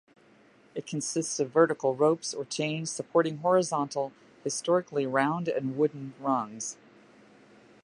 It consists of vertical ropes or chains supporting horizontal, historically round and wooden, rungs.